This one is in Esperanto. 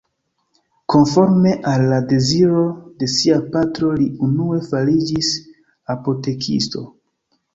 Konforme al la deziro de sia patro li unue fariĝis apotekisto.